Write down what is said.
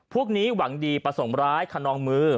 พวกนี้หวังดีประสงค์ร้ายคนนองมือ